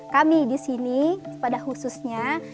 kami di sini pada khususnya